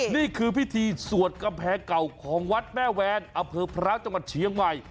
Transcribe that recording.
นี่คือพิธีสวดกำแพงเก่าของวัดแม่แวนอเภอพระจังหวัดเชียงใหม่